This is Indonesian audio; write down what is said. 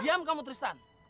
diam kamu tristan